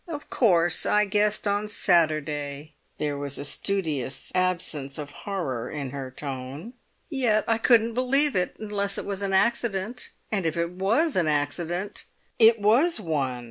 "Of course I guessed on Saturday." There was a studious absence of horror in her tone. "Yet I couldn't believe it, unless it was an accident. And if it was an accident——" "It was one!"